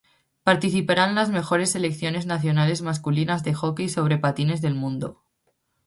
Participarán las mejores selecciones nacionales masculinas de hockey sobre patines del mundo.